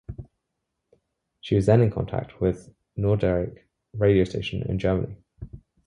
She was then in contact with Norddeich radio station in Germany.